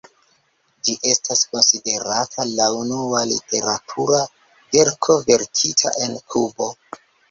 Ĝi estas konsiderata la unua literatura verko verkita en Kubo.